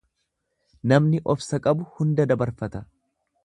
Namni obsa qabu hunda dabarfata.